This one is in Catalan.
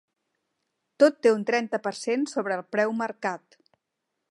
Tot té un trenta per cent sobre el preu marcat.